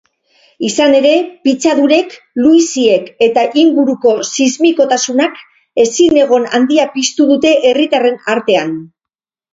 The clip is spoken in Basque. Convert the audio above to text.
Izan ere, pitzadurek, luiziek eta inguruko sismikotasunak ezinegon handia piztu dute herritarren artean.